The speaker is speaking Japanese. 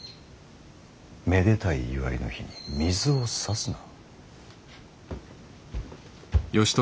めでたい祝いの日に水をさすな。